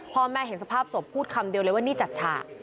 พ่อแม่เห็นสภาพศพพูดคำเดียวเลยว่านี่จัดฉาก